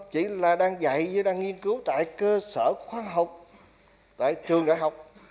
chỉ là đang dạy như đang nghiên cứu tại cơ sở khoa học tại trường đại học